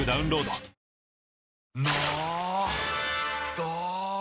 ど！